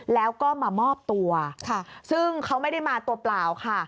แล้วก็มามอบตัวซึ่งเขาไม่ได้มาตัวเปล่าค่ะ